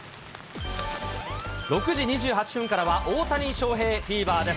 ６時２８分からは大谷翔平フィーバーです。